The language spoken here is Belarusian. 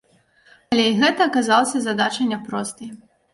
Але і гэта аказалася задачай няпростай.